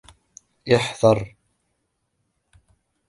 احذر.